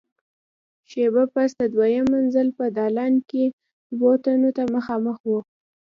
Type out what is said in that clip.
شېبه پس د دويم منزل په دالان کې دوو تنو ته مخامخ وو.